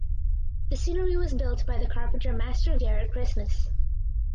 The scenery was built by the carpenter Master Garret Christmas.